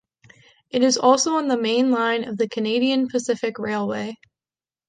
It is also on the main line of the Canadian Pacific Railway.